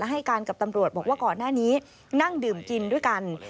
ให้การกับตำรวจบอกว่าก่อนหน้านี้นั่งดื่มกินด้วยกัน